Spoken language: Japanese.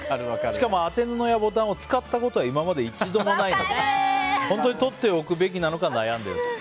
しかも当て布やボタンを使ったことは今まで一度もないので本当にとっておくべきなのか悩んでいます。